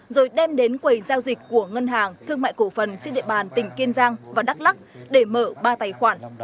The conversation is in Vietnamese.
rồi đem đến quầy giao dịch của ngân hàng thương mại cổ phần trên địa bàn tỉnh kiên giang và đắk lắc để mở ba tài khoản